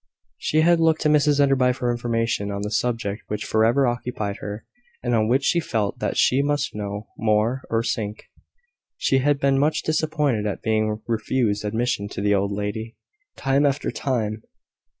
She had looked to Mrs Enderby for information on the subject which for ever occupied her, and on which she felt that she must know more or sink. She had been much disappointed at being refused admission to the old lady, time after time.